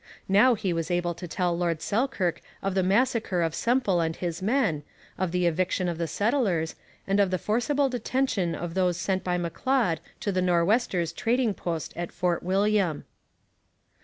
Now he was able to tell Lord Selkirk of the massacre of Semple and his men, of the eviction of the settlers, and of the forcible detention of those sent by M'Leod to the Nor'westers' trading post at Fort William.